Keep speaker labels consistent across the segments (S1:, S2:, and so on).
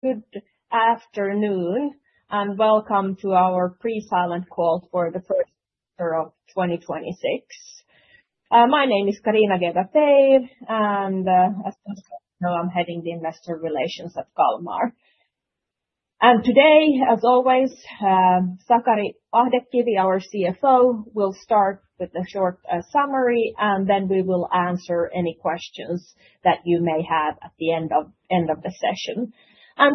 S1: Good afternoon, and welcome to our pre-silent call for the first quarter of 2026. My name is Carina Geber-Teir, and as you know, I'm heading Investor Relations at Kalmar. Today, as always, Sakari Ahdekivi, our CFO, will start with a short summary, and then we will answer any questions that you may have at the end of the session.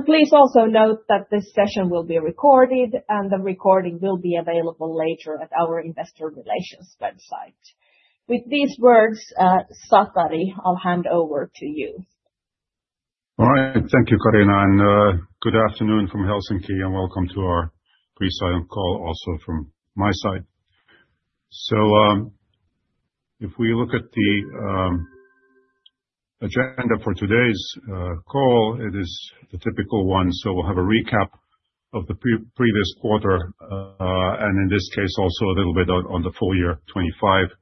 S1: Please also note that this session will be recorded, and the recording will be available later at our Investor Relations website. With these words, Sakari, I'll hand over to you.
S2: All right. Thank you, Carina, and good afternoon from Helsinki, and welcome to our pre-silent call also from my side. If we look at the agenda for today's call, it is the typical one. We'll have a recap of the previous quarter, and in this case, also a little bit on the full year 2025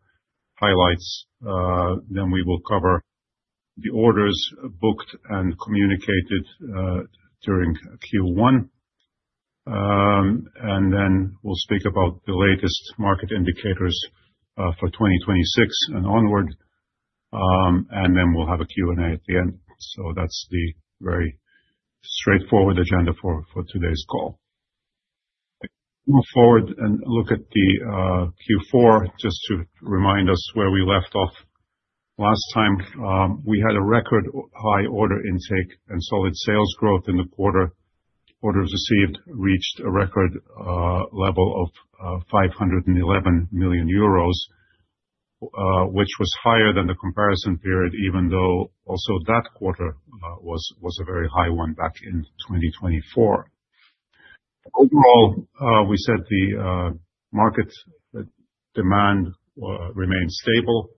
S2: highlights. We will cover the orders booked and communicated during Q1. We'll speak about the latest market indicators for 2026 and onward. We'll have a Q&A at the end. That's the very straightforward agenda for today's call. Move forward and look at the Q4 just to remind us where we left off. Last time, we had a record high order intake and solid sales growth in the quarter. Orders received reached a record level of 511 million euros, which was higher than the comparison period, even though also that quarter was a very high one back in 2024. Overall, we said the market demand remained stable.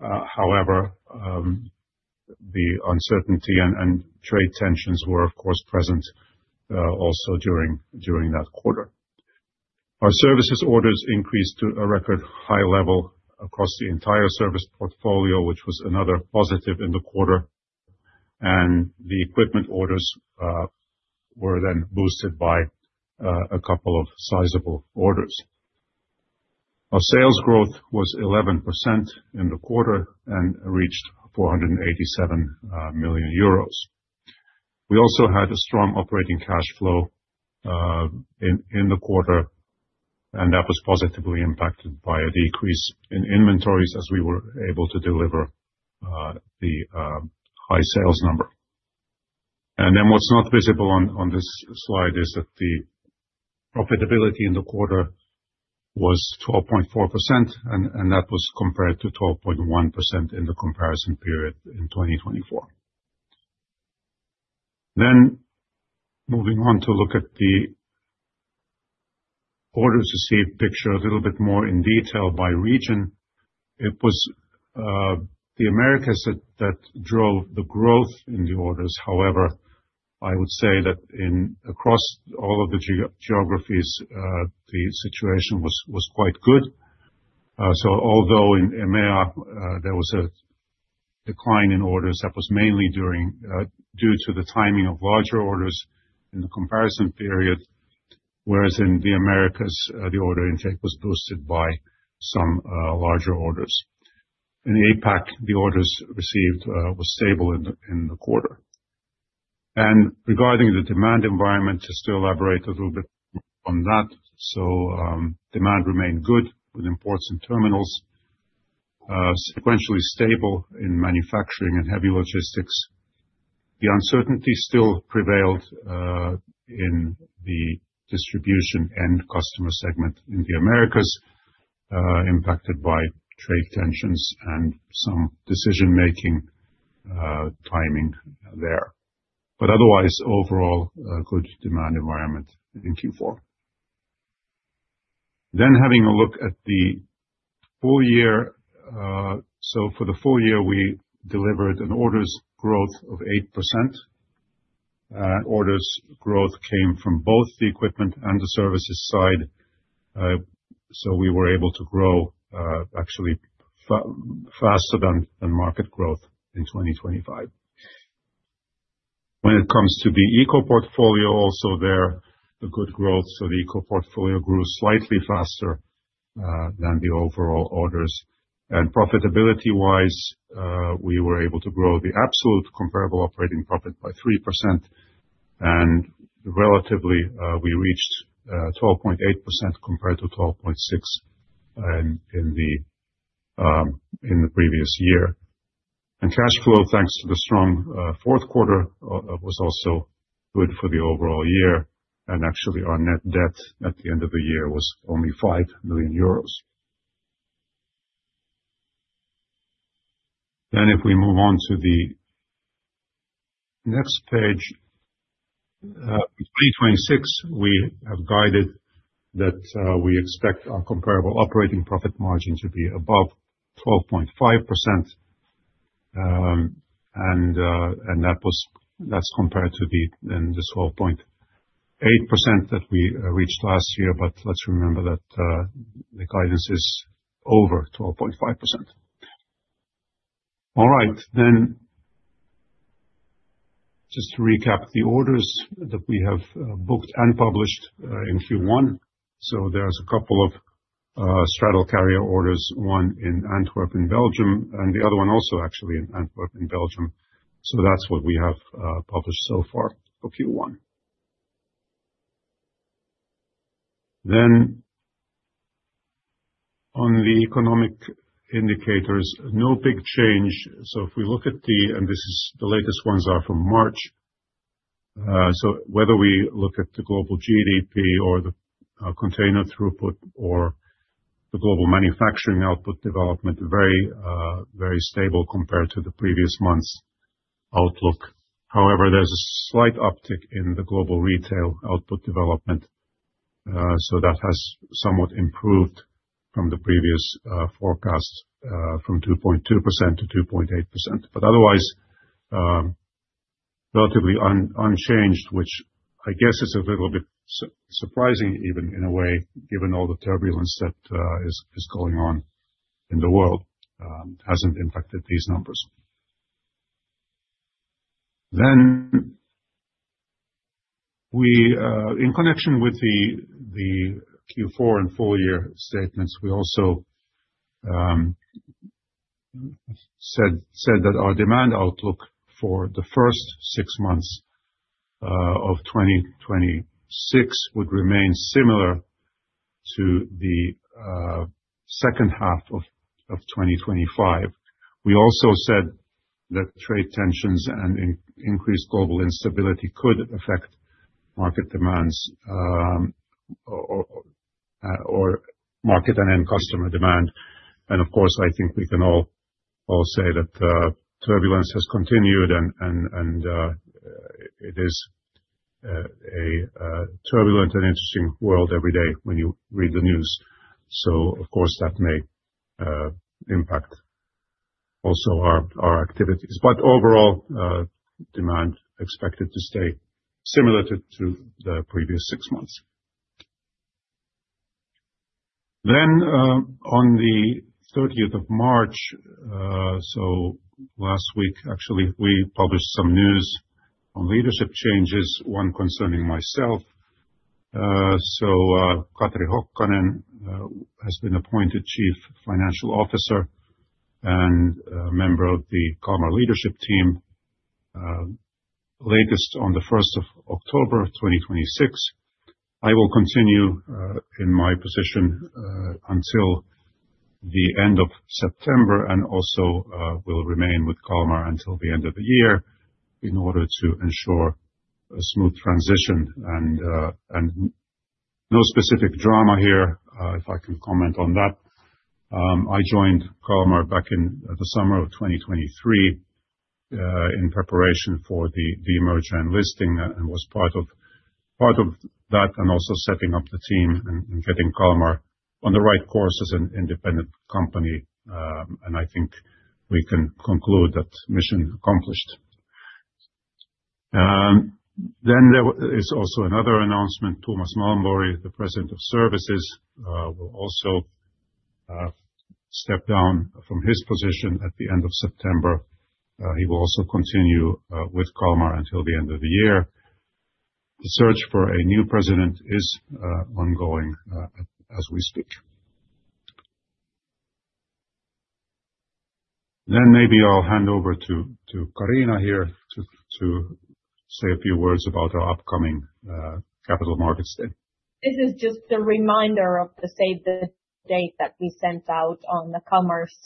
S2: However, the uncertainty and trade tensions were, of course, present also during that quarter. Our services orders increased to a record high level across the entire service portfolio, which was another positive in the quarter. The equipment orders were then boosted by a couple of sizable orders. Our sales growth was 11% in the quarter and reached 487 million euros. We also had a strong operating cash flow in the quarter, and that was positively impacted by a decrease in inventories as we were able to deliver the high sales number. What's not visible on this slide is that the profitability in the quarter was 12.4%, and that was compared to 12.1% in the comparison period in 2024. Moving on to look at the orders received picture a little bit more in detail by region. It was the Americas that drove the growth in the orders. However, I would say that across all of the geographies, the situation was quite good. Although in EMEA there was a decline in orders, that was mainly due to the timing of larger orders in the comparison period, whereas in the Americas, the order intake was boosted by some larger orders. In the APAC, the orders received were stable in the quarter. Regarding the demand environment, just to elaborate a little bit on that. Demand remained good with ports and terminals, sequentially stable in manufacturing and heavy logistics. The uncertainty still prevailed in the distribution end customer segment in the Americas, impacted by trade tensions and some decision-making timing there. Otherwise, overall, good demand environment in Q4. Having a look at the full year. For the full year, we delivered an orders growth of 8%. Orders growth came from both the equipment and the services side. We were able to grow, actually faster than market growth in 2025. When it comes to the Eco Portfolio, also there, the good growth. The Eco Portfolio grew slightly faster than the overall orders. Profitability-wise, we were able to grow the absolute comparable operating profit by 3%, and relatively, we reached 12.8% compared to 12.6% in the previous year. Cash flow, thanks to the strong fourth quarter, was also good for the overall year, and actually our net debt at the end of the year was only 5 million euros. If we move on to the next page, Q26, we have guided that we expect our comparable operating profit margin to be above 12.5%, and that's compared to the 12.8% that we reached last year, but let's remember that the guidance is over 12.5%. All right, then. Just to recap the orders that we have booked and published in Q1. There's a couple of straddle carrier orders, one in Antwerp, in Belgium, and the other one also actually in Antwerp, in Belgium. That's what we have published so far for Q1. On the economic indicators, no big change. The latest ones are from March. Whether we look at the global GDP or the container throughput or the global manufacturing output development, very stable compared to the previous months' outlook. However, there's a slight uptick in the global retail output development. That has somewhat improved from the previous forecast from 2.2%-2.8%. Otherwise, relatively unchanged, which I guess is a little bit surprising even in a way, given all the turbulence that is going on in the world, hasn't impacted these numbers. In connection with the Q4 and full year statements, we also said that our demand outlook for the first six months of 2026 would remain similar to the second half of 2025. We also said that trade tensions and increased global instability could affect market demands or market and end customer demand. Of course, I think we can all say that turbulence has continued and it is a turbulent and interesting world every day when you read the news. Of course, that may impact also our activities. Overall, demand expected to stay similar to the previous six months. On the 30th of March, so last week actually, we published some news on leadership changes, one concerning myself. Katri Hokkanen has been appointed Chief Financial Officer and a member of the Kalmar Leadership Team, latest on the 1st of October 2026. I will continue in my position until the end of September and also will remain with Kalmar until the end of the year in order to ensure a smooth transition and no specific drama here, if I can comment on that. I joined Kalmar back in the summer of 2023, in preparation for the demerger and listing and was part of that and also setting up the team and getting Kalmar on the right course as an independent company. I think we can conclude that mission accomplished. There is also another announcement, Thomas Malmborg, the President of Services, will also step down from his position at the end of September. He will also continue with Kalmar until the end of the year. The search for a new President is ongoing as we speak. Maybe I'll hand over to Carina here to say a few words about our upcoming Capital Markets Day.
S1: This is just a reminder of the save the date that we sent out on the Kalmar's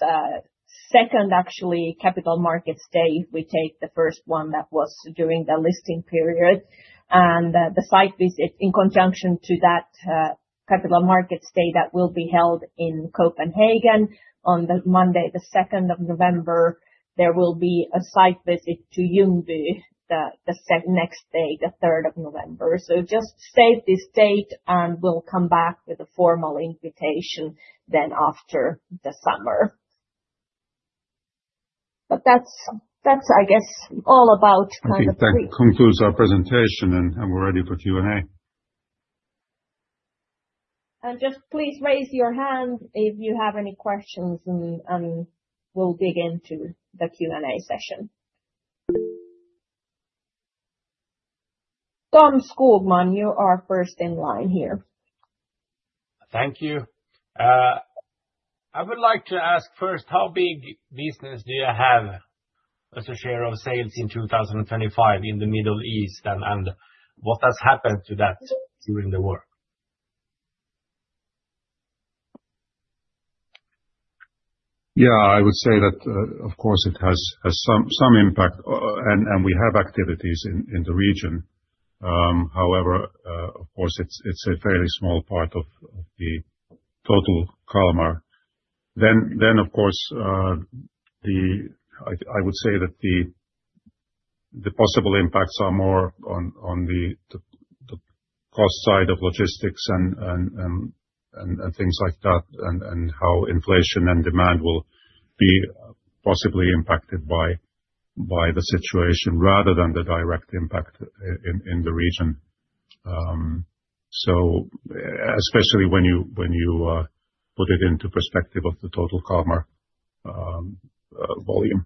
S1: second actually Capital Markets Day. We take the first one that was during the listing period and the site visit in conjunction to that Capital Markets Day that will be held in Copenhagen on the Monday, the 2nd of November. There will be a site visit to Ljungby the next day, the 3rd of November. Just save this date, and we'll come back with a formal invitation then after the summer. That's I guess all about, kinda complete.
S2: I think that concludes our presentation, and we're ready for Q&A.
S1: Just please raise your hand if you have any questions and we'll dig into the Q&A session. Tom Skogman, you are first in line here.
S3: Thank you. I would like to ask first, how big business do you have as a share of sales in 2025 in the Middle East? What has happened to that during the war?
S2: Yeah, I would say that, of course, it has some impact and we have activities in the region. However, of course, it's a fairly small part of the total Kalmar. Of course, I would say that the possible impacts are more on the cost side of logistics and things like that and how inflation and demand will be possibly impacted by the situation rather than the direct impact in the region, especially when you put it into perspective of the total Kalmar volume.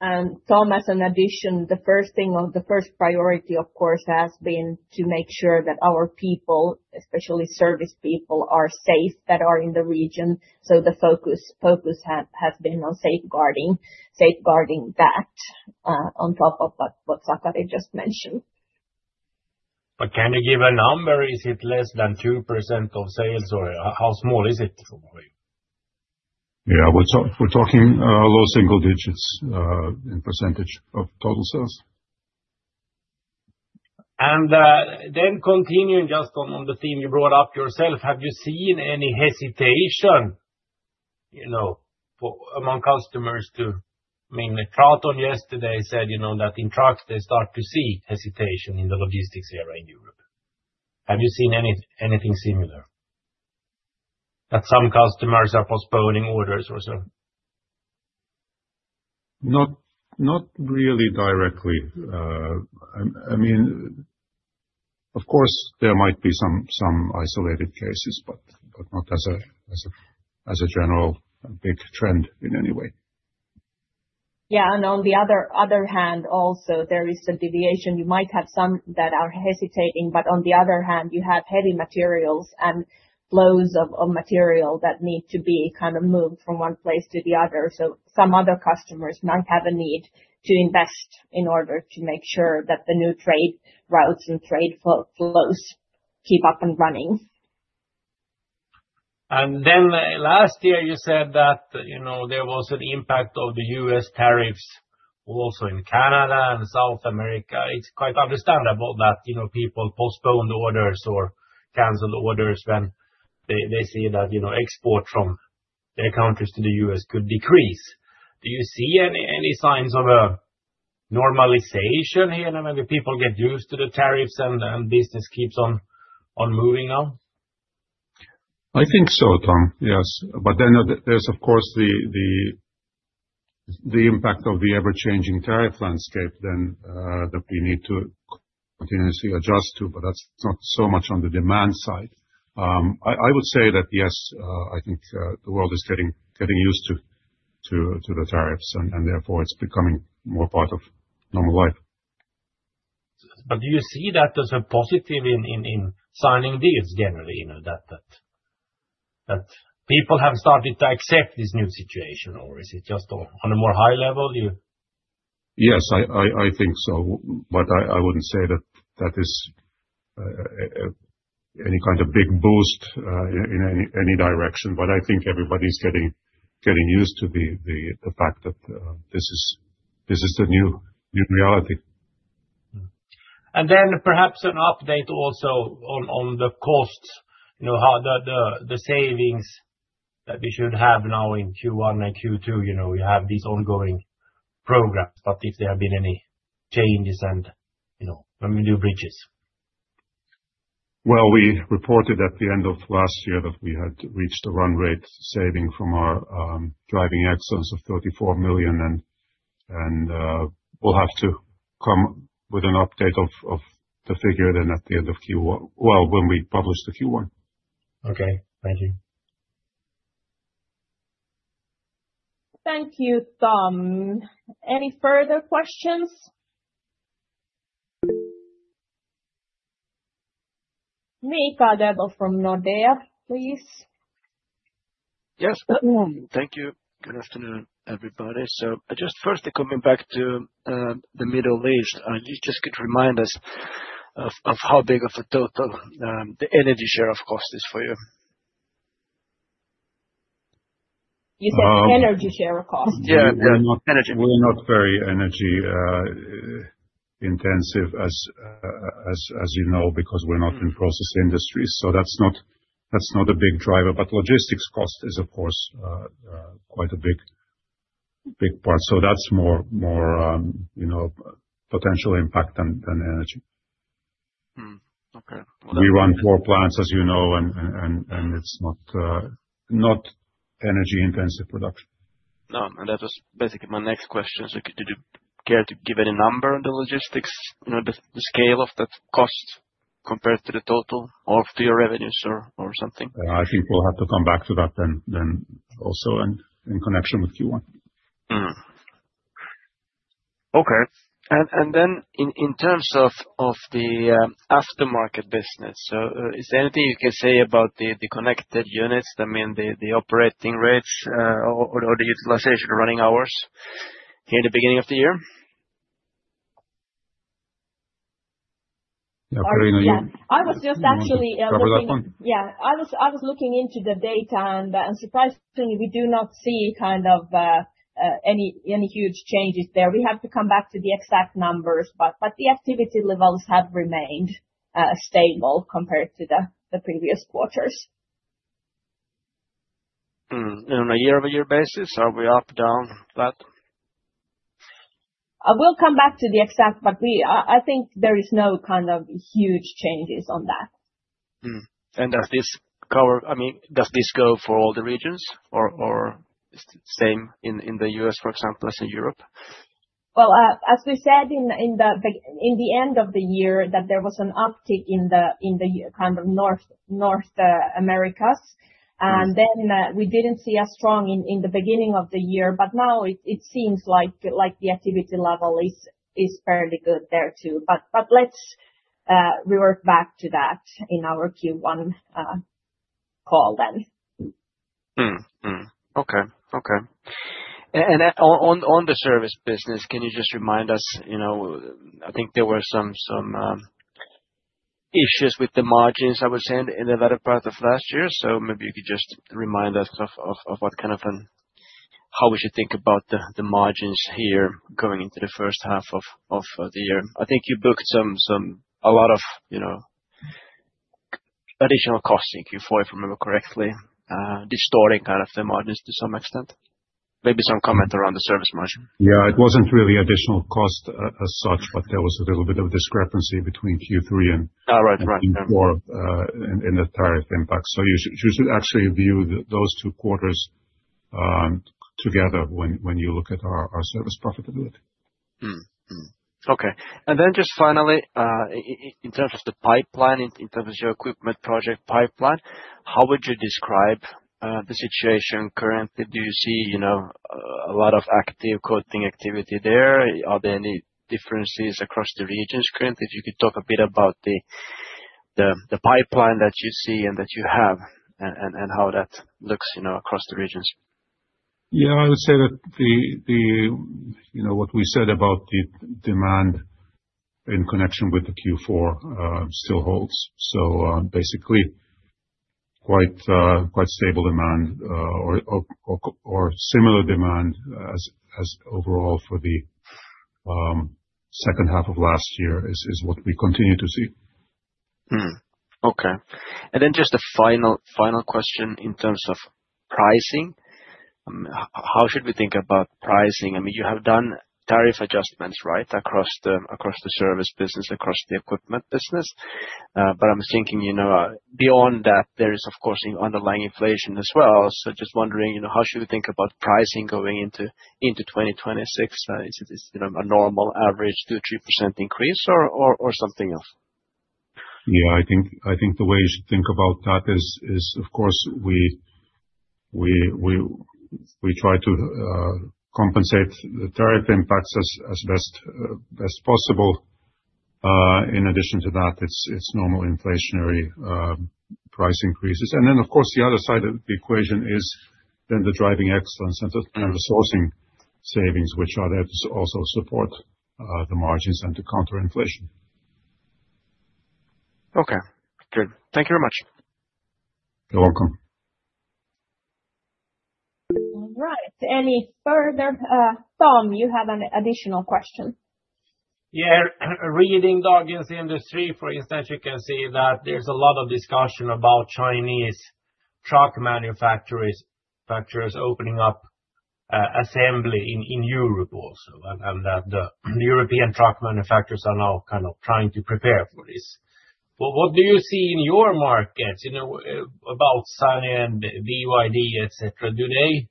S1: Tom, as an addition, the first priority, of course, has been to make sure that our people, especially service people, are safe that are in the region. The focus has been on safeguarding that on top of what Sakari just mentioned.
S3: Can you give a number? Is it less than 2% of sales or how small is it for you?
S2: Yeah. We're talking low single digits in percentage of total sales.
S3: Continuing just on the theme you brought up yourself, have you seen any hesitation among customers too? I mean, TRATON yesterday said that in TRATON they start to see hesitation in the logistics area in Europe. Have you seen anything similar, that some customers are postponing orders or so?
S2: Not really directly. Of course, there might be some isolated cases, but not as a general big trend in any way.
S1: Yeah. On the other hand also there is some deviation. You might have some that are hesitating, but on the other hand you have heavy materials and flows of material that need to be moved from one place to the other. Some other customers might have a need to invest in order to make sure that the new trade routes and trade flows keep up and running.
S3: Last year you said that there was an impact of the U.S. tariffs also in Canada and South America. It's quite understandable that people postponed orders or canceled orders when they see that export from their countries to the U.S. could decrease. Do you see any signs of a normalization here now? Maybe people get used to the tariffs and business keeps on moving now?
S2: I think so, Tom. Yes. There's of course the impact of the ever-changing tariff landscape then that we need to continuously adjust to, but that's not so much on the demand side. I would say that yes, I think the world is getting used to the tariffs, and therefore it's becoming more part of normal life.
S3: Do you see that as a positive in signing deals generally, that people have started to accept this new situation, or is it just on a more high-level view?
S2: Yes, I think so. I wouldn't say that is any kind of big boost in any direction. I think everybody's getting used to the fact that this is the new reality.
S3: Perhaps an update also on the costs, how the savings that we should have now in Q1 and Q2, we have these ongoing programs, but if there have been any changes and any new bridges.
S2: Well, we reported at the end of last year that we had reached a run rate saving from our Driving Excellence of 34 million, and we'll have to come with an update of the figure then at the end of Q1, well, when we publish the Q1.
S3: Okay. Thank you.
S1: Thank you, Tom. Any further questions? Mikael Doepel from Nordea, please.
S4: Yes. Thank you. Good afternoon, everybody. Just firstly coming back to the Middle East, if you just could remind us of how big of a total the energy share of cost is for you?
S1: You said energy share of cost?
S4: Yeah. Energy.
S2: We're not very energy intensive as you know because we're not in process industries. That's not a big driver. Logistics cost is of course quite a big part. That's more potential impact than energy.
S4: Okay.
S2: We run four plants as you know, and it's not energy-intensive production.
S4: No, that was basically my next question. Did you care to give any number on the logistics, the scale of that cost compared to the total or to your revenues or something?
S2: I think we'll have to come back to that then also in connection with Q1.
S4: Okay. In terms of the aftermarket business, is there anything you can say about the connected units, I mean, the operating rates or the utilization running hours here in the beginning of the year?
S2: Yeah, Carina, you-
S1: I was just actually looking.
S2: you want to go for that one.
S1: Yeah. I was looking into the data and surprisingly, we do not see any huge changes there. We have to come back to the exact numbers, but the activity levels have remained stable compared to the previous quarters.
S4: On a year-over-year basis, are we up, down?
S1: I will come back to the exact, but I think there is no huge changes on that.
S4: Does this go for all the regions or is it the same in the U.S., for example, as in Europe?
S1: Well, as we said in the end of the year that there was an uptick in North America. We didn't see as strong in the beginning of the year, but now it seems like the activity level is fairly good there too. Let's revert back to that in our Q1 call then.
S4: Okay. On the service business, can you just remind us, I think there were some issues with the margins, I would say, in the latter part of last year? Maybe you could just remind us of what kind of, and how we should think about the margins here going into the first half of the year. I think you booked a lot of additional costing, if I remember correctly, distorting kind of the margins to some extent. Maybe some comment around the service margin.
S2: Yeah. It wasn't really additional cost as such, but there was a little bit of discrepancy between Q3 and-
S4: Right
S2: Q4, in the tariff impact, you should actually view those two quarters together when you look at our service profitability.
S4: Okay. Just finally, in terms of your equipment project pipeline, how would you describe the situation currently? Do you see a lot of active quoting activity there? Are there any differences across the regions currently? If you could talk a bit about the pipeline that you see and that you have, and how that looks across the regions.
S2: Yeah, I would say that what we said about the demand in connection with the Q4 still holds. Basically quite stable demand or similar demand as overall for the second half of last year is what we continue to see.
S4: Okay. Just a final question in terms of pricing. How should we think about pricing? You have done tariff adjustments across the service business, across the equipment business. I'm thinking, beyond that, there is of course underlying inflation as well. Just wondering, how should we think about pricing going into 2026? Is it a normal average 2%-3% increase or something else?
S2: Yeah, I think the way you should think about that is, of course, we try to compensate the tariff impacts as best possible. In addition to that, it's normal inflationary price increases. Of course, the other side of the equation is then the Driving Excellence and the sourcing savings, which are there to also support the margins and to counter inflation.
S4: Okay. Good. Thank you very much.
S2: You're welcome.
S1: All right. Any further? Tom, you have an additional question?
S3: Yeah. Reading industry, for instance, you can see that there's a lot of discussion about Chinese truck manufacturers opening up assembly in Europe also, and that the European truck manufacturers are now kind of trying to prepare for this. What do you see in your markets about SANY and BYD, et cetera? Do they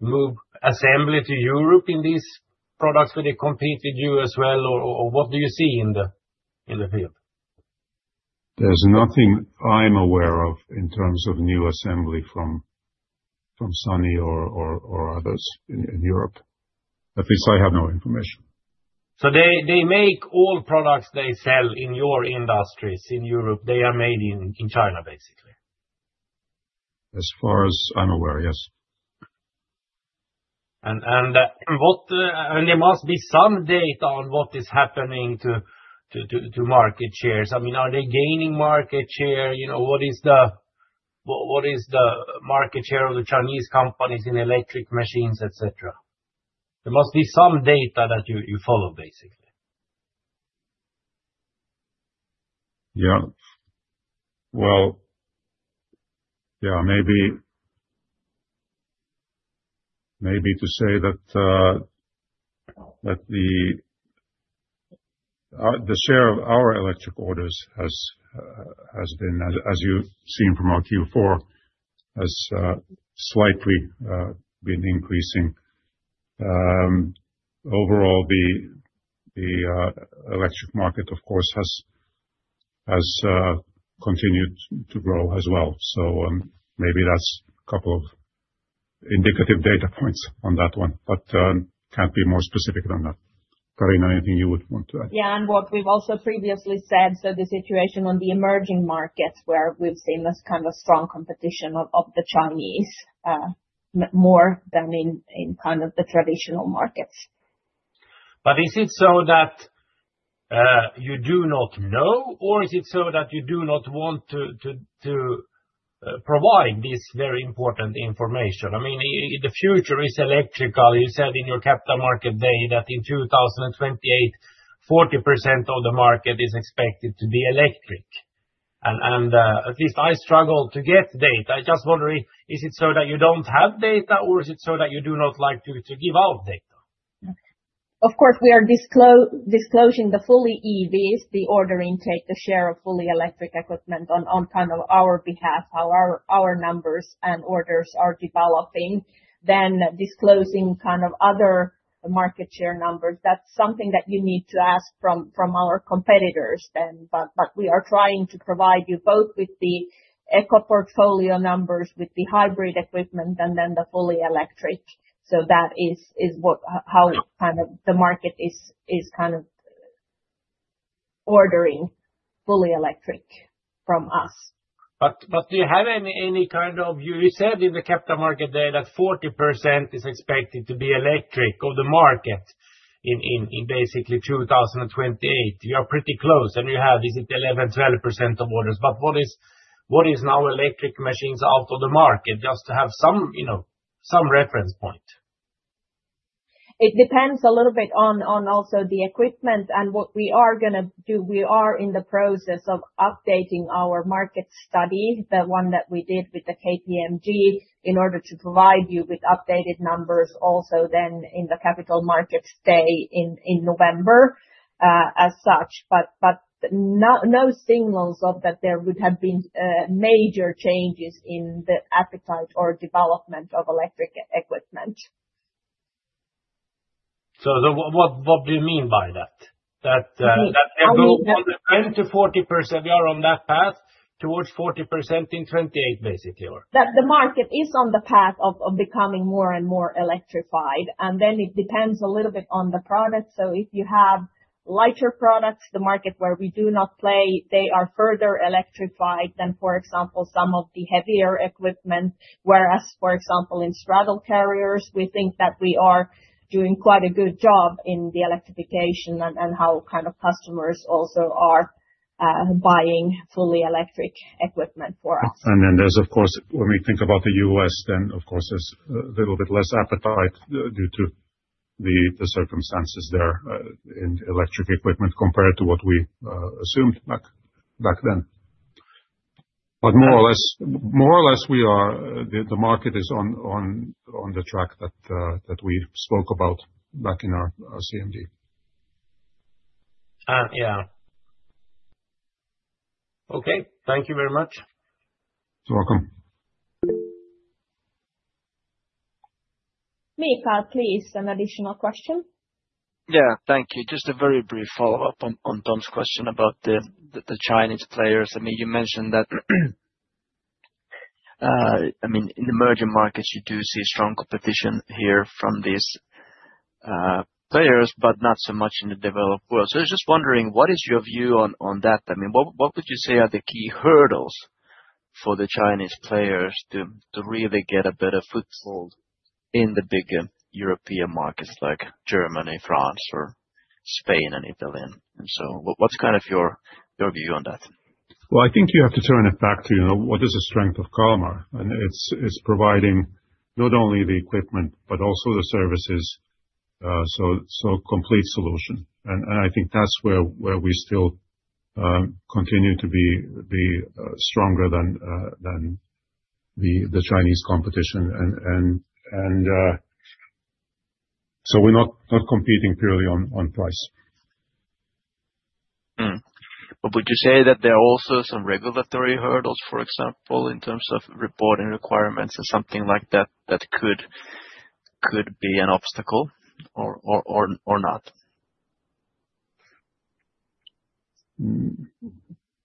S3: move assembly to Europe in these products where they compete with you as well? What do you see in the field?
S2: There's nothing I'm aware of in terms of new assembly from SANY or others in Europe. At least I have no information.
S3: They make all products they sell in your industries in Europe, they are made in China, basically?
S2: As far as I'm aware, yes.
S3: There must be some data on what is happening to market shares. Are they gaining market share? What is the market share of the Chinese companies in electric machines, et cetera? There must be some data that you follow, basically.
S2: Yeah. Well, maybe to say that the share of our electric orders, as you've seen from our Q4, has slightly been increasing. Overall, the electric market, of course, has continued to grow as well. Maybe that's a couple of indicative data points on that one, but can't be more specific than that. Carina, anything you would want to add?
S1: Yeah. What we've also previously said, the situation on the emerging markets where we've seen this kind of strong competition of the Chinese, more than in kind of the traditional markets.
S3: Is it so that you do not know or is it so that you do not want to provide this very important information? The future is electrical. You said in your Capital Markets Day that in 2028, 40% of the market is expected to be electric. At least I struggle to get data. I just wonder, is it so that you don't have data or is it so that you do not like to give out data?
S1: Of course, we are disclosing the fully EVs, the order intake, the share of fully electric equipment on our behalf, how our numbers and orders are developing, than disclosing other market share numbers. That's something that you need to ask from our competitors then. We are trying to provide you both with the Eco Portfolio numbers, with the hybrid equipment, and then the fully electric. That is how the market is ordering fully electric from us.
S3: You said in the Capital Market there that 40% is expected to be electric of the market in basically 2028. You are pretty close and you have, is it 11%-12% of orders? What is now electric machines out of the market, just to have some reference point?
S1: It depends a little bit on also the equipment and what we are going to do. We are in the process of updating our market study, the one that we did with KPMG, in order to provide you with updated numbers also then in the Capital Markets Day in November as such. No signals of that there would have been major changes in the appetite or development of electric equipment.
S3: What do you mean by that? That 10%-40%, we are on that path towards 40% in 2028, basically?
S1: That the market is on the path of becoming more and more electrified. It depends a little bit on the product. If you have lighter products, the market where we do not play, they are further electrified than, for example, some of the heavier equipment. Whereas, for example, in straddle carriers, we think that we are doing quite a good job in the electrification and how customers also are buying fully electric equipment from us.
S2: There's, of course, when we think about the U.S., then of course, there's a little bit less appetite due to the circumstances there in electric equipment compared to what we assumed back then. More or less, the market is on the track that we spoke about back in our CMD.
S3: Yeah. Okay. Thank you very much.
S2: You're welcome.
S1: Mikael, please, an additional question.
S4: Yeah, thank you. Just a very brief follow-up on Tom's question about the Chinese players. You mentioned that in emerging markets, you do see strong competition here from these players, but not so much in the developed world. I was just wondering, what is your view on that? What would you say are the key hurdles for the Chinese players to really get a better foothold in the bigger European markets like Germany, France, or Spain and Italy? What's your view on that?
S2: Well, I think you have to turn it back to what is the strength of Kalmar? It's providing not only the equipment but also the services, so complete solution. I think that's where we still continue to be stronger than the Chinese competition. We're not competing purely on price.
S4: Would you say that there are also some regulatory hurdles, for example, in terms of reporting requirements or something like that that could be an obstacle or not?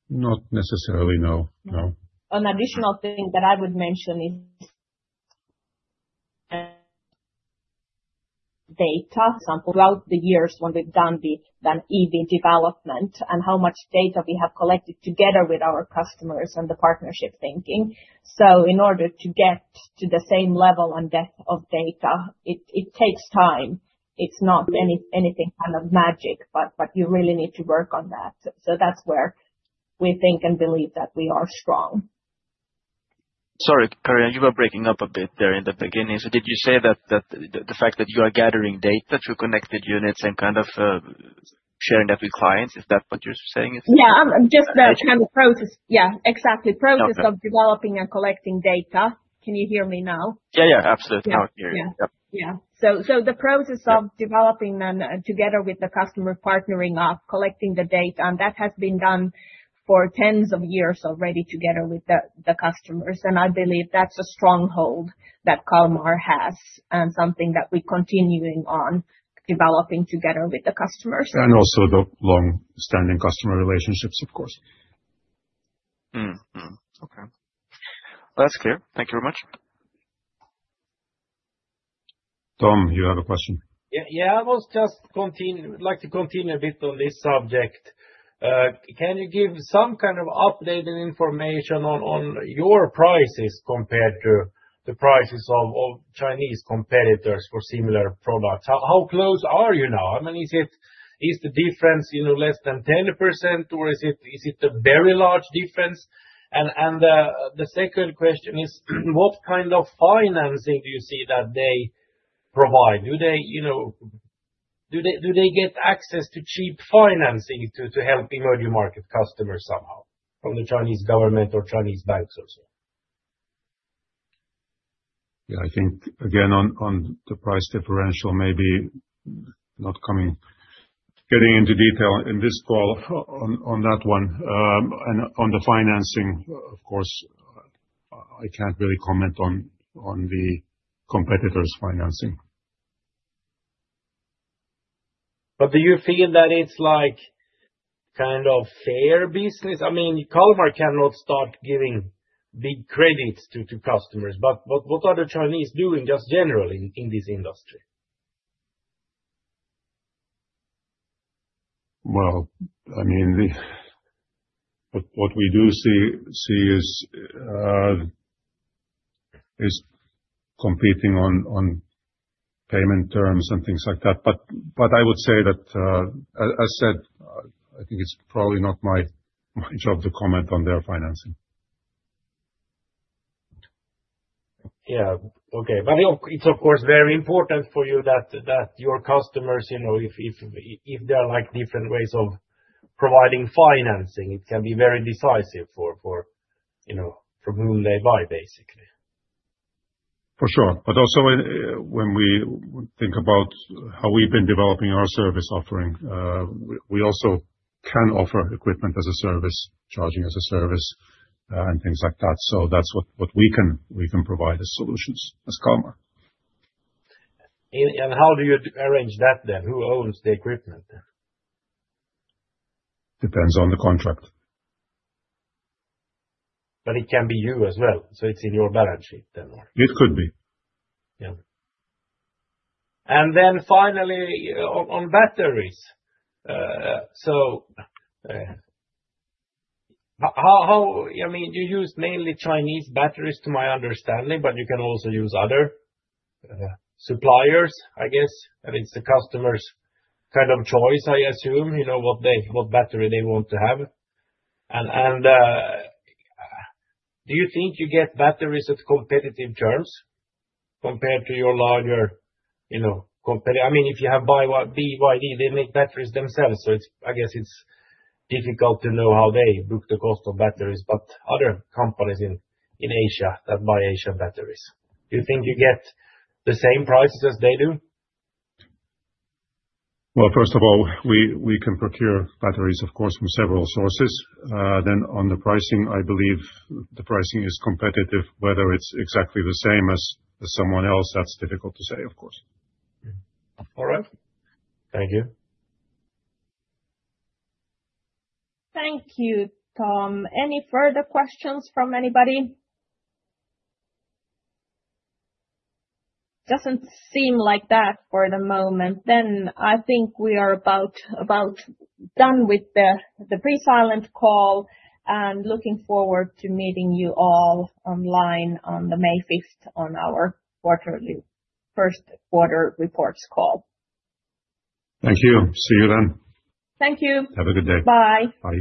S2: Not necessarily, no.
S1: An additional thing that I would mention is data sample throughout the years when we've done the EV development and how much data we have collected together with our customers and the partnership thinking. In order to get to the same level and depth of data, it takes time. It's not anything magic, but you really need to work on that. That's where we think and believe that we are strong.
S4: Sorry, Carina, you were breaking up a bit there in the beginning. Did you say that the fact that you are gathering data through connected units and sharing that with clients, is that what you're saying?
S1: Yeah, just the kind of process. Yeah, exactly.
S4: Okay.
S1: Process of developing and collecting data. Can you hear me now?
S4: Yeah, absolutely. Now I hear you. Yep.
S1: Yeah. The process of developing and together with the customer, partnering up, collecting the data, and that has been done for 10s of years already together with the customers. I believe that's a stronghold that Kalmar has and something that we're continuing on developing together with the customers.
S2: Also the long-standing customer relationships, of course.
S4: Okay. That's clear. Thank you very much.
S2: Tom, you have a question?
S3: Yeah. I would like to continue a bit on this subject. Can you give some kind of updated information on your prices compared to the prices of Chinese competitors for similar products? How close are you now? Is the difference less than 10% or is it a very large difference? The second question is, what kind of financing do you see that they provide? Do they get access to cheap financing to help emerging market customers somehow from the Chinese government or Chinese banks or so?
S2: Yeah, I think again on the price differential, maybe not getting into detail in this call on that one. On the financing, of course, I can't really comment on the competitor's financing.
S3: Do you feel that it's like fair business? Kalmar cannot start giving big credits to customers. What are the Chinese doing just generally in this industry?
S2: Well, what we do see is competing on payment terms and things like that. I would say that, I think it's probably not my job to comment on their financing.
S3: Yeah. Okay. It's, of course, very important for you that your customers, if there are different ways of providing financing, it can be very decisive from whom they buy, basically.
S2: For sure. Also when we think about how we've been developing our service offering, we also can offer equipment as a service, charging as a service, and things like that. That's what we can provide as solutions as Kalmar.
S3: How do you arrange that then? Who owns the equipment then?
S2: Depends on the contract.
S3: It can be you as well. It's in your balance sheet then?
S2: It could be.
S3: Yeah. Finally on batteries. You use mainly Chinese batteries, to my understanding, but you can also use other suppliers, I guess. It's the customer's kind of choice, I assume, what battery they want to have. Do you think you get batteries at competitive terms compared to your larger competitor? If you have BYD, they make batteries themselves, so I guess it's difficult to know how they book the cost of batteries. Other companies in Asia that buy Asian batteries, do you think you get the same prices as they do?
S2: Well, first of all, we can procure batteries, of course, from several sources. On the pricing, I believe the pricing is competitive. Whether it's exactly the same as someone else, that's difficult to say, of course.
S3: All right. Thank you.
S1: Thank you, Tom. Any further questions from anybody? Doesn't seem like that for the moment. I think we are about done with the pre-silent call, and looking forward to meeting you all online on the May 5th on our first quarter reports call.
S2: Thank you. See you then.
S1: Thank you.
S2: Have a good day.
S1: Bye.
S2: Bye